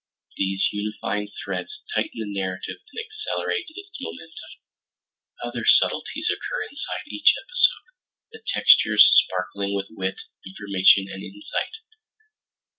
These unifying threads tighten the narrative and accelerate its momentum. Other subtleties occur inside each episode, the textures sparkling with wit, information, and insight.